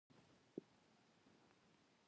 سندره د ولسونو نښلونه ده